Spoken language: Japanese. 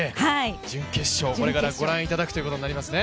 準決勝、これからご覧いただくということになりますね。